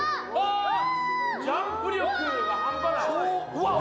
うわっ！